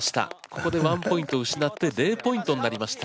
ここで１ポイント失って０ポイントになりました。